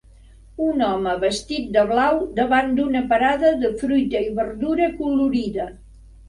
Un home vestit de blau davant d'una parada de fruita i verdura acolorida